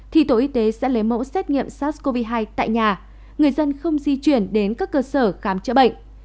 thì tổ y tế sẽ lấy mẫu xét nghiệm sars cov hai tại nhà người dân không di chuyển đến các cơ sở khám chữa bệnh